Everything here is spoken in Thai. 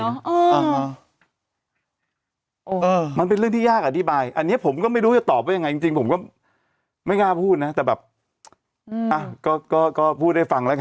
ทำมันเป็นเรื่องที่ยากอธิบายอันเนี้ยผมก็ไม่รู้ตอบว่าอย่างงี้จริงผมว่าไม่ง่าพูดนะแต่แบบก็ก็ผู้ได้ฟังแล้วค่ะ